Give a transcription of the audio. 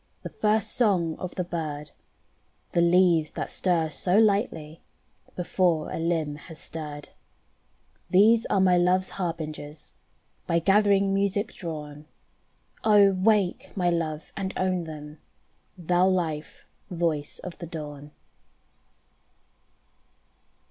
The first song of the bird, The leaves that stir so lightly Before a limb has stirred: These are my love's harbingers By gathering music drawn. Oh! wake my love and own them, Thou life voice of the Dawn.